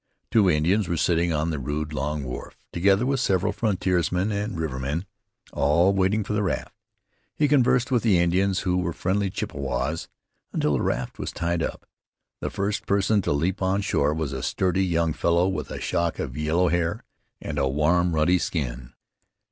Two Indians were sitting on the rude log wharf, together with several frontiersmen and rivermen, all waiting for the raft. He conversed with the Indians, who were friendly Chippewas, until the raft was tied up. The first person to leap on shore was a sturdy young fellow with a shock of yellow hair, and a warm, ruddy skin.